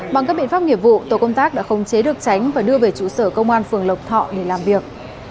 bằng các biện pháp nghiệp vụ tổ công tác đã khống chế được tránh và đưa về trụ sở công an phường lộc thọ để làm việc